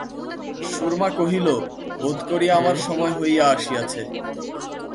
সুরমা কহিল, বোধ করি আমার সময় হইয়া আসিয়াছে।